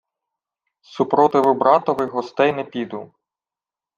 — Супротиву братових гостей не піду.